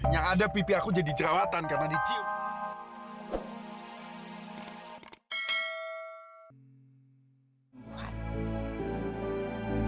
yang ada pipi aku jadi jerawatan karena dicium